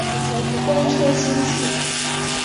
风车星系。